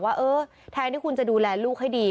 ว่าเออแทนที่คุณจะดูแลลูกให้ดี